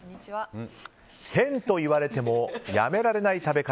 変と言われてもやめられない食べ方。